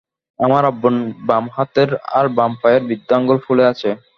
আমার আব্বুর বাম হাতের আর বাম পায়ের বৃদ্ধ আঙ্গুল ফুলে আছে।